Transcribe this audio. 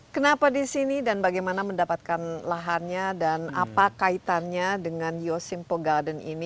kenapa di sini dan bagaimana mendapatkan lahannya dan apa kaitannya dengan yoshimpo garden ini